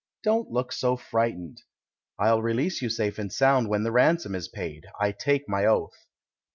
Don't look so frightened. I'll release you safe and sound when the ransom is paid, I take my oath."